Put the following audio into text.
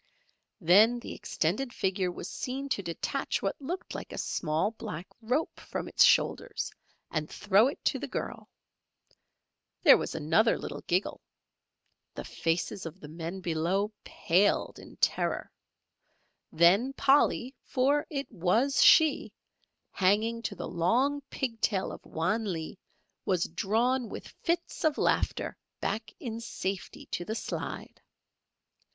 Then the extended figure was seen to detach what looked like a small black rope from its shoulders and throw it to the girl. There was another little giggle. The faces of the men below paled in terror. Then Polly for it was she hanging to the long pig tail of Wan Lee, was drawn with fits of laughter back in safety to the slide.